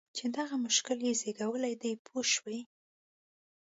چې دغه مشکل یې زېږولی دی پوه شوې!.